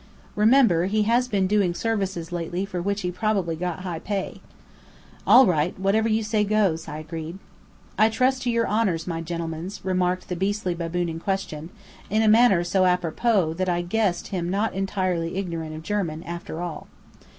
"Remember, he has been doing services lately for which he probably got high pay." "All right, whatever you say, goes," I agreed. "I trust to your honours, my genlemens," remarked the beastly baboon in question, in a manner so apropos that I guessed him not entirely ignorant of German, after all.